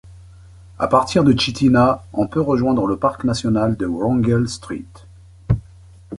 À partir de Chitina, on peut rejoindre le Parc national de Wrangell-St.